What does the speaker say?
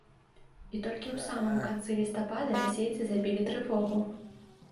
І толькі ў самым канцы лістапада расейцы забілі трывогу.